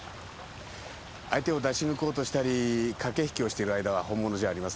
相手を出し抜こうとしたり駆け引きをしてる間は本物じゃありません。